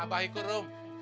apa ikut rum